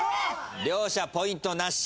両者ポイントなし。